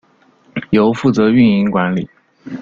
由负责运营管理。